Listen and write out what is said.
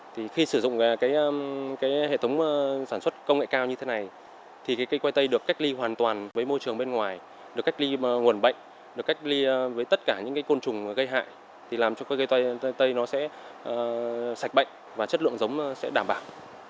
thì khi sử dụng cái hệ thống sản xuất công nghệ cao như thế này thì cái cây khoai tây được cách ly hoàn toàn với môi trường bên ngoài được cách ly nguồn bệnh được cách ly với tất cả những côn trùng gây hại thì làm cho cây khoai tây nó sẽ sạch bệnh và chất lượng giống sẽ đảm bảo